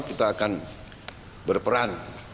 kita akan berperan